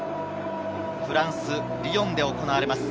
フランス・リヨンで行われます。